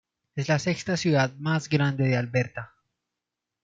Es la sexta ciudad más grande de Alberta.